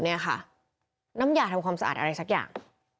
นี่ค่ะน้ำยาทำความสะอาดอะไรสักอย่าง